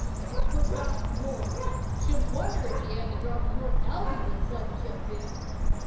He's put to't for more. Shouldn't wonder ef he had to draw from North Elby when sleddin' sets in."